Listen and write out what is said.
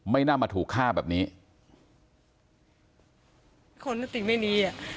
ไม่น่ามาถูกฆ่าแบบนี้